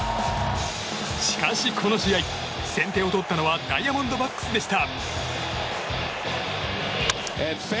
しかし、この試合先手を取ったのはダイヤモンドバックスでした。